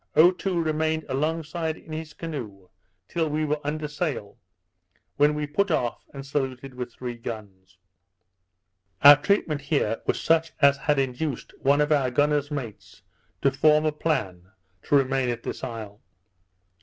Otoo remained alongside in his canoe till we were under sail, when we put off, and was saluted with three guns. Our treatment here was such as had induced one of our gunner's mates to form a plan to remain at this isle.